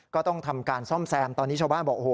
ก็ต้องทำการซ่อมแซมตอนนี้ชาวบ้านบอกโอ้โห